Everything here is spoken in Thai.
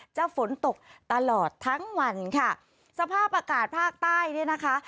จะฝนตกตลอดทั้งวันค่ะสภาพอากาศภาคใต้เนี่ยนะคะ